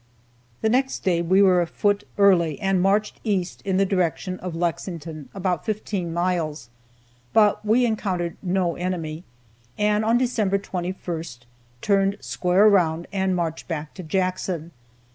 The next day we were afoot early, and marched east in the direction of Lexington about fifteen miles. But we encountered no enemy, and on December 21 turned square around and marched back to Jackson.